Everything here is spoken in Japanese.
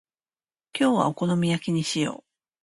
今日はお好み焼きにしよう。